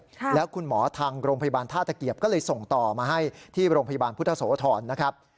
แล้วคุณหมอทางโรงพยาบาลท่าตะเกียบก็เลยส่งต่อมาให้ที่โรงพยาบาลพุทธโสธรนะครับ